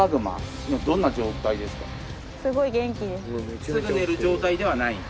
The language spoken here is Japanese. すごい元気です。